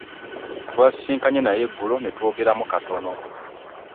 Twasisinkanye naye eggulo ne twogeremu katono.